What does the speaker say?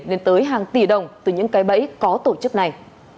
lên tới hàng tỷ đồng từ những cái bẫy có tổ chức này